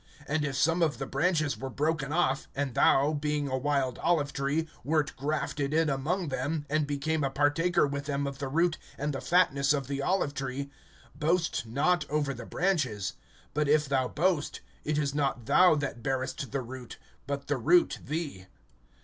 (17)And if some of the branches were broken off, and thou, being a wild olive tree, wert grafted in among them, and became a partaker with them of the root and the fatness of the olive tree; (18)boast not over the branches. But if thou boast, it is not thou that bearest the root, but the root thee.